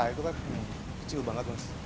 itu kan kecil banget mas